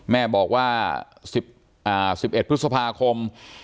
แม่บอกว่าสิบเอ่อสิบเอ็ดพฤษภาคม